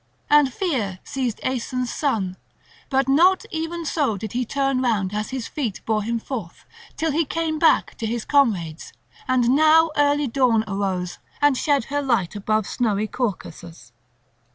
And fear seized Aeson's son, but not even so did he turn round as his feet bore him forth, till he came back to his comrades; and now early dawn arose and shed her light above snowy Caucasus.